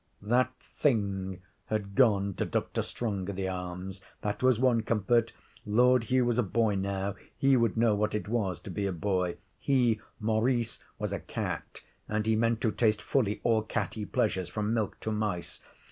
That thing had gone to Dr. Strongitharm's. That was one comfort. Lord Hugh was a boy now; he would know what it was to be a boy. He, Maurice, was a cat, and he meant to taste fully all catty pleasures, from milk to mice.